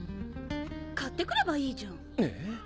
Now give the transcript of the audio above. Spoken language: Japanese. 買ってくればいいじゃん！えっ？